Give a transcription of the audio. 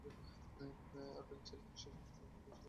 আর bank চাইলে নিজস্ব গ্রাহককে বিনা মূল্যে এটিএম সেবা দিতে পারবে।